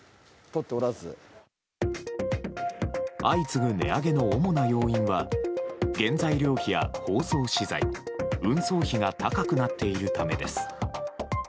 相次ぐ値上げの主な要因は原材料費や包装資材、運送費が高くなっているためです。